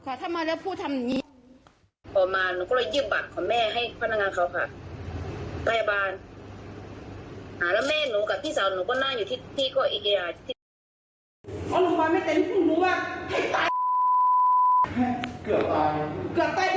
เดินมาได้ให้คุณผู้ชมมาได้อยากมาให้ง่ายขออนุญาตให้คุณไป